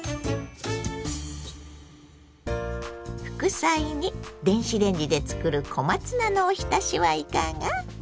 副菜に電子レンジで作る小松菜のおひたしはいかが。